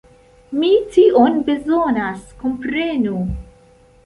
Mi tion bezonas, komprenu.